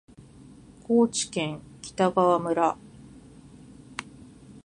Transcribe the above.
高知県北川村